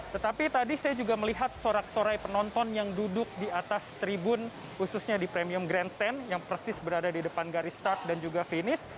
tetapi tadi saya juga melihat sorak sorai penonton yang duduk di atas tribun khususnya di premium grandstand yang persis berada di depan garis start dan juga finish